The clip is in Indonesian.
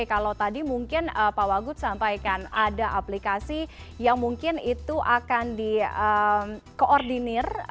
kalau tadi mungkin pak wagud sampaikan ada aplikasi yang mungkin itu akan di koordinir